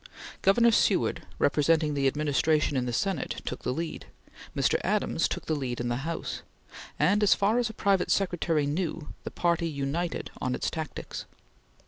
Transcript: Governor Seward representing the Administration in the Senate took the lead; Mr. Adams took the lead in the House; and as far as a private secretary knew, the party united on its tactics.